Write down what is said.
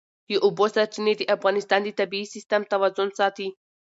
د اوبو سرچینې د افغانستان د طبعي سیسټم توازن ساتي.